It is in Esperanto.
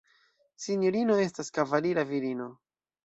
Sinjorino estas kavalira virino.